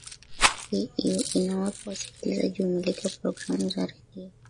inawapa wasikilizaji umiliki wa programu za redio